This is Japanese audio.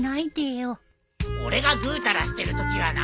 俺がぐうたらしてるときはな。